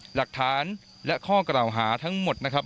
หลักฐานและข้อกล่าวหาทั้งหมดนะครับ